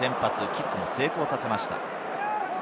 キックも成功させました。